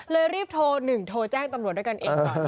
รีบโทร๑โทรแจ้งตำรวจด้วยกันเองก่อน